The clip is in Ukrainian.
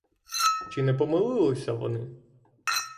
Чи не помилилися вони?